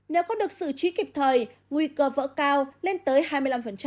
nếu có được sự trí kịp thời nguy cơ vỡ cao lên tới hai mươi năm